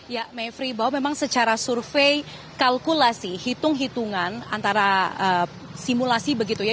ya mevri bahwa memang secara survei kalkulasi hitung hitungan antara simulasi begitu ya